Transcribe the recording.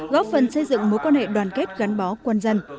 góp phần xây dựng mối quan hệ đoàn kết gắn bó quân dân